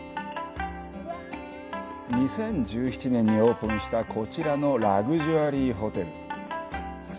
２０１７年にオープンしたこちらのラグジュアリーホテル。